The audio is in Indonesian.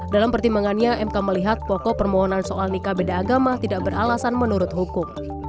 dalam pertimbangannya mk melihat pokok permohonan soal nikah beda agama tidak beralasan menurut hukum